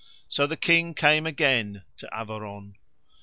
So the King came again to Averon.